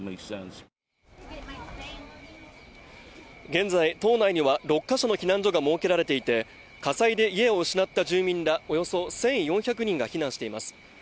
現在、島内には６か所の避難所が設けられていて、火災で家を失った住民らおよそ１４００人が避難しています。